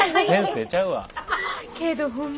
けどホンマ